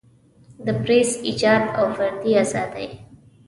د پریس ایجاد او فردي ازادۍ.